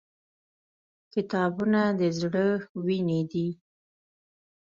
• کتابونه د زړه وینې دي.